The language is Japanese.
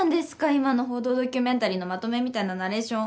今の報道ドキュメンタリーのまとめみたいなナレーション。